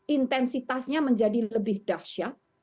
intensitasnya menjadi lebih dahsyat